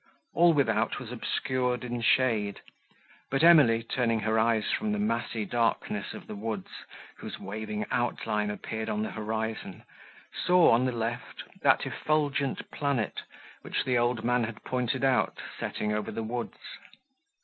All without was obscured in shade; but Emily, turning her eyes from the massy darkness of the woods, whose waving outline appeared on the horizon, saw, on the left, that effulgent planet, which the old man had pointed out, setting over the woods.